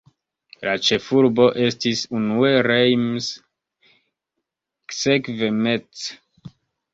La ĉefurbo estis unue Reims, sekve Metz.